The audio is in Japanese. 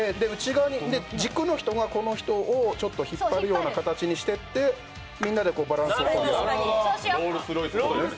軸の人がこの人をちょっと引っ張るような形にしてってみんなでバランスをとるように。